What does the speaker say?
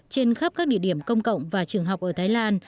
trên khắp các địa điểm công cộng và trường học ở thái lan